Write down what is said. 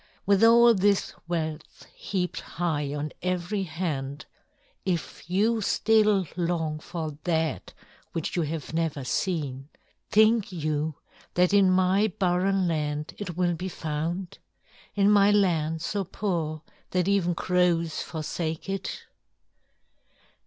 With all this wealth heaped high on every hand, if you still long for that which you have never seen, think you that in my barren land it will be found? In my land so poor that even crows forsake it?"